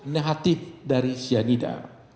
negatif dari cyanida